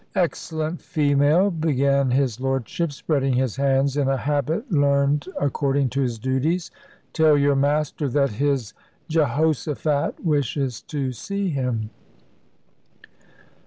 "Excellent female," began his Lordship, spreading his hands in a habit learned according to his duties, "tell your master that his[C] Jehoshaphat wishes to see him."